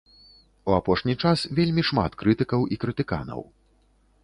У апошні час вельмі шмат крытыкаў і крытыканаў.